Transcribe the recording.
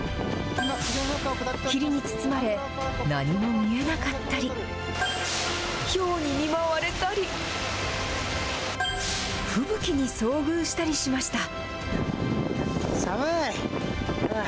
霧に包まれ、何も見えなかったり、ひょうに見舞われたり、吹雪に遭遇したりしました。